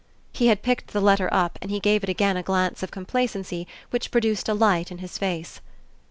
He had picked the letter up and he gave it again a glance of complacency which produced a light in his face.